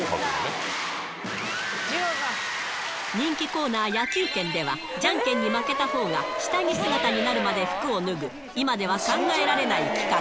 人気コーナー、野球拳では、じゃんけんに負けたほうが、下着姿になるまで服を脱ぐ、今では考えられない企画。